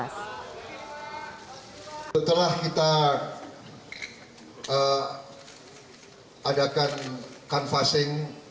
setelah kita adakan kanvasing